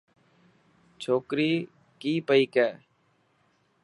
ڇوڪري ڪئي پئي ڪي.